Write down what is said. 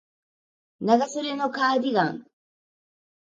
長袖のカーディガン